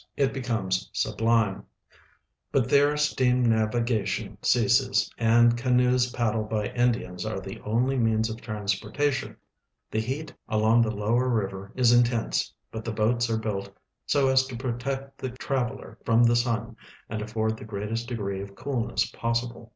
Jr , HER GOVERNMEXT, PEOPLE, AND BOUNDARY 55 Andes it l>econies sublime; but there steam navigation ceases, and canoes j>addled by Indians are the onh" means of transporta tion. The heat along the lower river is intense, but the boats are built so as to protect the traveler from the sun and afford tlie greatest degree of coolness possible.